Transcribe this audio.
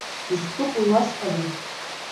Ишԥыкәу, иуазҳәада…